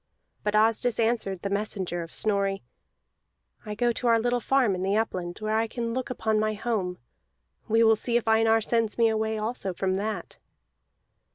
But Asdis answered the messenger of Snorri: "I go to our little farm in the upland, where I can look upon my home. We will see if Einar sends me away also from that."